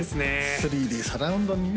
３Ｄサラウンドにね